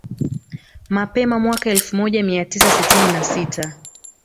Mapema mwaka elfu moja mia tisa sitini na sita